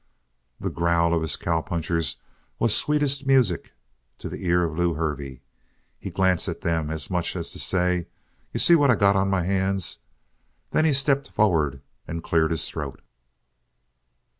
The growl of his cowpunchers was sweetest music to the ear of Lew Hervey. He glanced at them as much as to say: "You see what I got on my hands?" Then he stepped forward and cleared his throat.